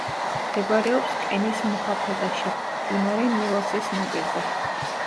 მდებარეობს კენის მუჰაფაზაში, მდინარე ნილოსის ნაპირზე.